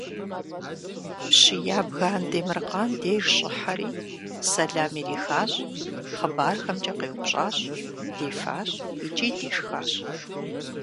Пщы ябгэ Андемыркъан деж щӀыхьэри сэлам ирихащ хъыбархэмкӀэ къеупщӀащ дефащ икӀи дешхащ.